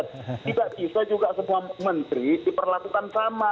tidak bisa juga semua menteri diperlakukan sama